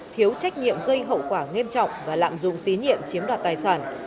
thiếu trách nhiệm gây hậu quả nghiêm trọng và lạm dụng tín nhiệm chiếm đoạt tài sản